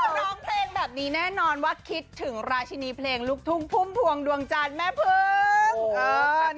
ไปนะออกเพลงแบบนี้แน่นอนว่าตั้งแต่คิดถึงลูกทุ่งภูพวงดวงจันทร์แม่พึ่ง